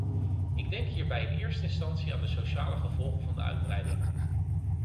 Ik denk hierbij in eerste instantie aan de sociale gevolgen van de uitbreiding.